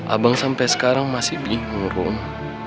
abang sampai sekarang masih bingung